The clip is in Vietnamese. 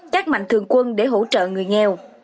các mạnh thường quân để hỗ trợ người nghèo